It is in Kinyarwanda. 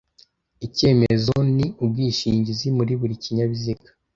icyemezo nu ubwishingizi muri buri kinyabiziga